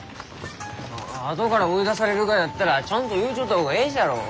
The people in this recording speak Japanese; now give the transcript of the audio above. あとから追い出されるがやったらちゃんと言うちょった方がえいじゃろう。